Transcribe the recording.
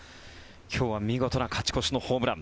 今日は見事な勝ち越しのホームラン。